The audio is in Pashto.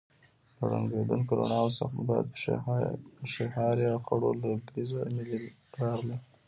له ړندونکو رڼاوو، سخت باد، پښې هارې او خړو لوګیو سره ملې راغلې.